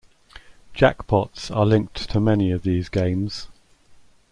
Jackpots are linked to many of these games.